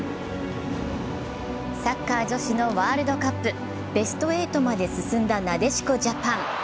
サッカー女子のワールドカップベスト８まで進んだなでしこジャパン。